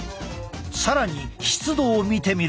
更に湿度を見てみると。